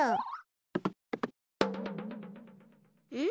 うん？